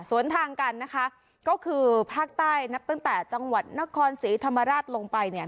สวนทางกันนะคะก็คือภาคใต้นับตั้งแต่จังหวัดนครศรีธรรมราชลงไปเนี่ย